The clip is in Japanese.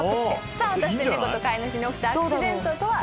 さあ果たして猫と飼い主に起きたアクシデントとは？